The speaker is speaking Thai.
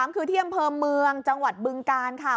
๔๓คือเที่ยมเพิ่มเมืองจังหวัดบึงการค่ะ